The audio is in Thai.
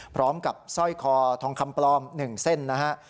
พร้อมกับสร้อยคอทองคำปลอม๑เส้นนะฮะ